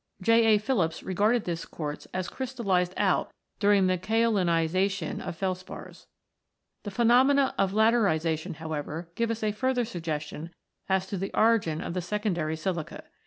J. A. Phillips (se) regarded this quartz as crystallised out during the kaolinisation of felspars. The phenomena of laterisation, however, give us a further suggestion in] THE SANDSTONES 65 as to the origin of the secondary silica.